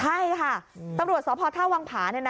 ใช่ค่ะตำรวจสพท่าวังผา